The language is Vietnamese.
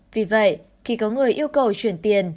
vì vậy khi có người yêu cầu chuyển tiền